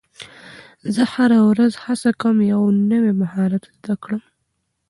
زه هره ورځ هڅه کوم یو نوی مهارت زده کړم